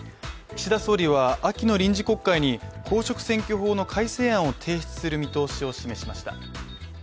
岸田総理は秋の臨時国会に、公職選挙法の改正案を提出する見通しを示しました。